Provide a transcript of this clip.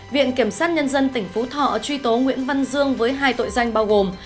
viện kiểm sát nhân dân tỉnh phú thọ truy tố nguyễn văn dương với hai tội danh bao gồm